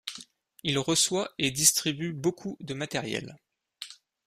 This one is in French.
Il reçoit et distribue beaucoup de matériel.